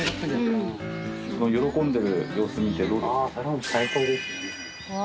喜んでる様子見てどうでした？